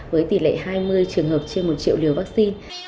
với tỷ lệ hai mươi trường hợp trên một triệu liều vaccine